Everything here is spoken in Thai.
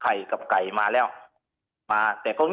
ทีนี้วันอาทิตย์หยุดแล้วก็วันจันทร์ก็หยุด